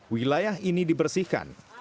wilayah ini dibersihkan